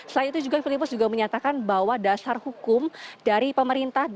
selain itu juga filipius juga menyatakan bahwa dasar hukum dari pemerintah